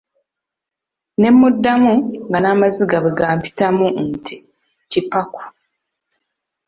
Ne mmuddamu nga n'amaziga bwe gampitamu nti, Ki-pa-ku.